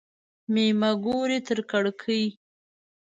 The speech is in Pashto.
مېمه ګوري تر کړکۍ.